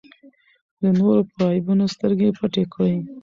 د نورو په عیبونو سترګې پټې کړئ.